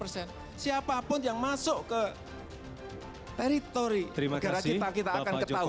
siapapun yang masuk ke teritori negara kita kita akan ketahuan